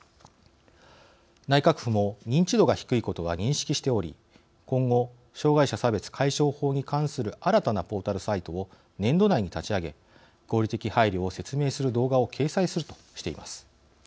内閣府も認知度が低いことは認識しており、今後障害者差別解消法に関する新たなポータルサイトを年度内に立ち上げ合理的配慮を説明する動画を掲載するとしています。